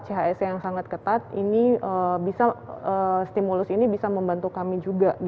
chs yang sangat ketat stimulus ini bisa membantu kami juga